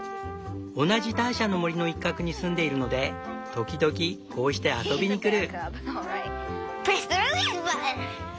同じターシャの森の一角に住んでいるので時々こうして遊びに来る。